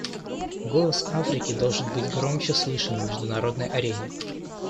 Голос Африки должен быть громче слышан на международной арене.